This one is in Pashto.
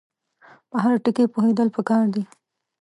په هر ټکي پوهېدل پکار دي.